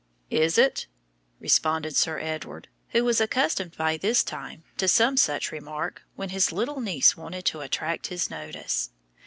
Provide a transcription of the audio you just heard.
"Is it?" responded Sir Edward, who was accustomed by this time to some such remark when his little niece wanted to attract his notice.